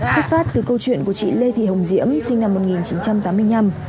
xuất phát từ câu chuyện của chị lê thị hồng diễm sinh năm một nghìn chín trăm tám mươi năm